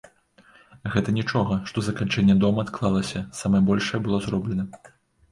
Гэта нічога, што заканчэнне дома адклалася, самае большае было зроблена.